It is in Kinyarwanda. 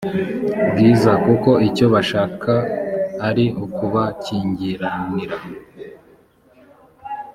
bwiza kuko icyo bashaka ari ukubakingiranira